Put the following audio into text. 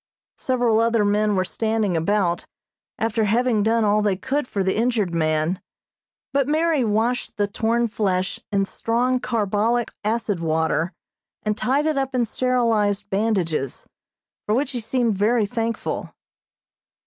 Several other men were standing about, after having done all they could for the injured man, but Mary washed the torn flesh in strong carbolic acid water, and tied it up in sterilized bandages, for which he seemed very thankful.